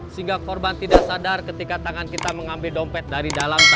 sehingga korban tidak sadar ketika tangan kita mengambil dompet dari dalam